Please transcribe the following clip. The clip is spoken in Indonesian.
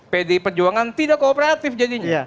pdi perjuangan tidak kooperatif jadinya